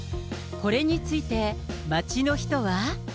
これについて街の人は。